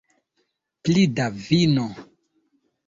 Pli da vino